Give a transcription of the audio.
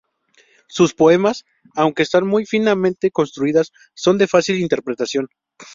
Sus poemas, aunque están muy finamente construidas, son de fácil interpretación.